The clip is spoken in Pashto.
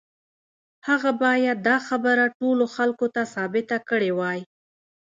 هغه بايد دا خبره ټولو خلکو ته ثابته کړې وای.